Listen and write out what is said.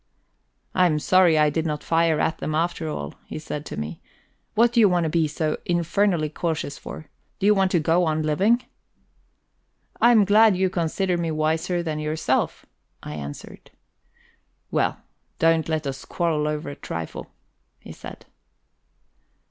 "I am sorry I did not fire at them after all," he said to me. "What do you want to be so infernally cautious for? Do you want to go on living?" "I'm glad you consider me wiser than yourself," I answered. "Well, don't let us quarrel over a trifle," he said.